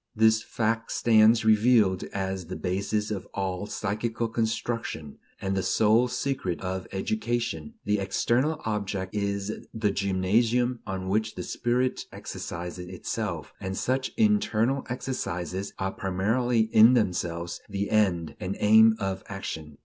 This fact stands revealed as the basis of all psychical construction, and the sole secret of education. The external object is the gymnasium on which the spirit exercises itself, and such "internal" exercises are primarily "in themselves" the end and aim of action.